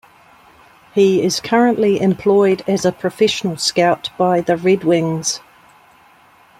He is currently employed as a professional scout by the Red Wings.